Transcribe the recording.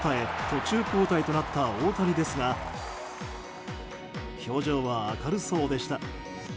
途中交代となった大谷ですが表情は明るそうでした。